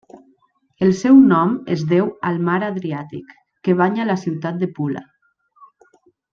El seu nom es deu al mar Adriàtic que banya la ciutat de Pula.